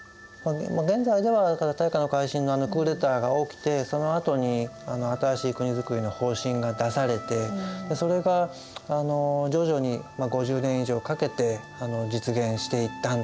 現在では大化の改新のあのクーデターが起きてそのあとに新しい国づくりの方針が出されてそれが徐々に５０年以上かけて実現していったんだろう。